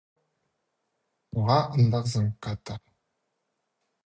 Ноға андағзың, Ката?